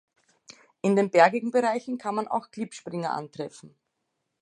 In den bergigen Bereichen kann man auch Klippspringer antreffen.